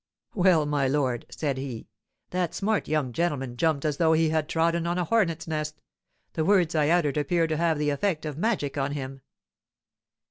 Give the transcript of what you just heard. "Well, my lord," said he, "that smart young gentleman jumped as though he had trodden on a hornet's nest. The words I uttered appeared to have the effect of magic on him."